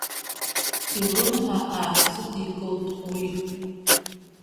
Илымҳа аасыдикылт уи.